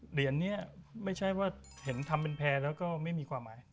เหรียญนี้ไม่ใช่ว่าเห็นทำเป็นแพร่แล้วก็ไม่มีความหมาย